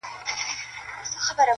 رندان سنګسار ته یوسي دوی خُمونه تښتوي!